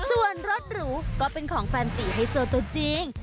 ส่วนรถหรูก็เป็นของแฟนตีไฮโซตัวจริง